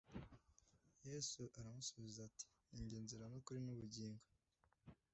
Yesu aramusubiza ati: "Ninjye nzira n'ukuri n'ubugingo...